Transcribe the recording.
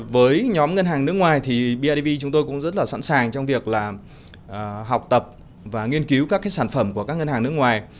với nhóm ngân hàng nước ngoài thì bidv chúng tôi cũng rất là sẵn sàng trong việc học tập và nghiên cứu các sản phẩm của các ngân hàng nước ngoài